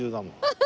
ハハ！